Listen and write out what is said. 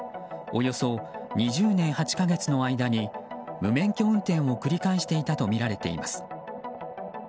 およそ２０年８か月の間に無免許運転を繰り返していたとみられています。